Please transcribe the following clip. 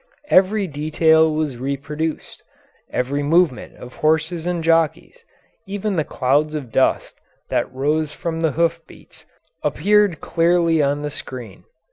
Every detail was reproduced; every movement of horses and jockeys, even the clouds of dust that rose from the hoof beats, appeared clearly on the screen.